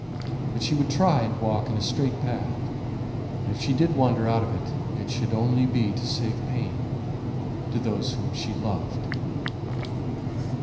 But she would try and walk in a straight path; and if she did wander out of it, it should only be to save pain to those whom she loved.